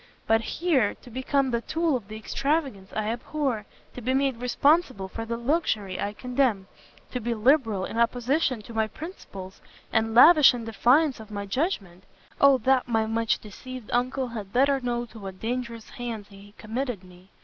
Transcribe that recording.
but here, to become the tool of the extravagance I abhor! to be made responsible for the luxury I condemn! to be liberal in opposition to my principles, and lavish in defiance of my judgment! Oh that my much deceived Uncle had better known to what dangerous hands he committed me!